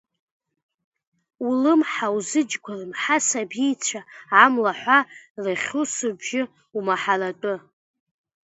Улымҳа узыџьгәарыма, ҳасабицәа амла ҳәа рыхьусубжьы умаҳаратәы?